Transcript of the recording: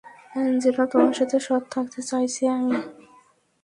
Angela, তোমার সাথে সৎ থাকতে চাইছি আমি।